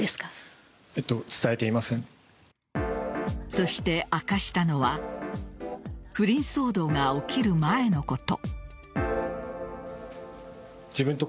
そして、明かしたのは不倫騒動が起きる前のこと。